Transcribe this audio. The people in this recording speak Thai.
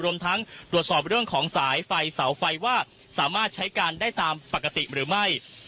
รวมทั้งตรวจสอบเรื่องของสายไฟเสาไฟว่าสามารถใช้การได้ตามปกติหรือไม่